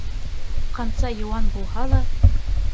Ҡанса йыуан булһа ла